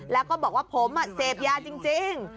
แล้วก็บอกว่าผมเสพยาจริง